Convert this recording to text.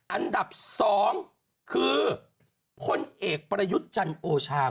อันดับ๒คือพลเอกประยุทธ์จันโอชา